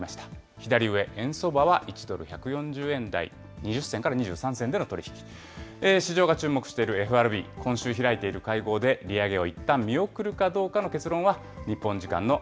左上、円相場は１ドル１４０円台２０銭から２３銭での取り引き、市場が注目しているＦＲＢ、今週開いている会合で、利上げをいったん見送るかどうかの結論は、